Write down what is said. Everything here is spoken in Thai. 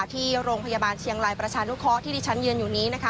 ที่โรงพยาบาลเชียงไลน์ประชานุ๊คคอร์ที่ริชันเยือนอยู่นี้